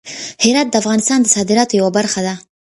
هرات د افغانستان د صادراتو یوه برخه ده.